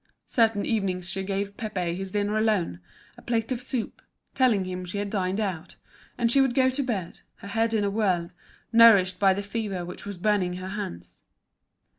Certain evenings she gave Pépé his dinner alone, a plate of soup, telling him she had dined out; and she would go to bed, her head in a whirl, nourished by the fever which was burning her hands.